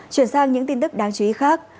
chuyển sang những tin tức đáng chú ý khác